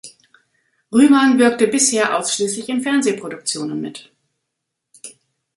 Rühmann wirkte bisher ausschließlich in Fernsehproduktionen mit.